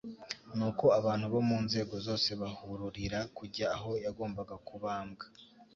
nuko abantu bo mu nzego zose bahururira kujya aho yagombaga kubambwa.